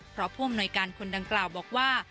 เพราะผู้อำนวยการคนดังกล่าวบอกว่า